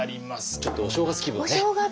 ちょっとお正月気分をね